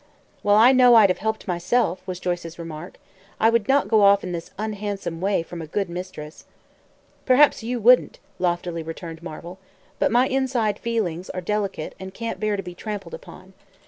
"Well, I know I'd have helped myself," was Joyce's remark. "I would not go off in this unhandsome way from a good mistress." "Perhaps you wouldn't," loftily returned Marvel, "but my inside feelings are delicate and can't bear to be trampled upon.